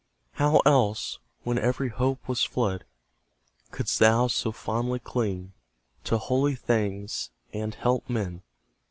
How else, when every hope was fled, Couldst thou so fondly cling To holy things and help men?